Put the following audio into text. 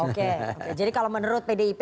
oke jadi kalau menurut pdip